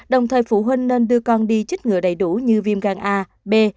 đồng thời phụ huynh nên đưa con đi chích ngừa đầy đủ như viêm gan a b